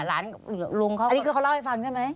อันนี้คือเขาเล่าให้ฟังใช่ไหม